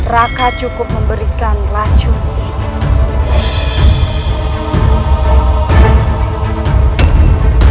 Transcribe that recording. raka cukup memberikan racun